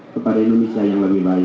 kepada indonesia yang lebih baik